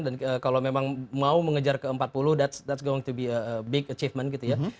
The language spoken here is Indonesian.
dan kalau memang mau mengejar ke empat puluh that's going to be a big achievement gitu ya